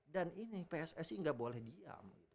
dan ini pssi gak boleh diam